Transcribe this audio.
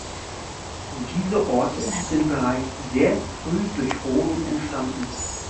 Diese Orte sind bereits sehr früh durch Rodung entstanden.